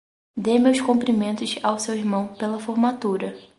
Dê meus cumprimentos ao seu irmão pela formatura.